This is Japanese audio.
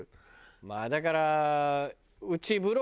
まあだから。